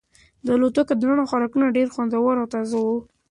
د الوتکې دننه خوراکونه ډېر خوندور او تازه وو.